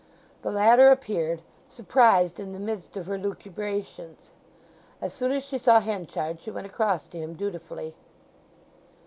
The latter appeared, surprised in the midst of her lucubrations. As soon as she saw Henchard she went across to him dutifully.